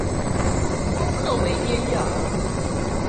丰特维耶伊尔。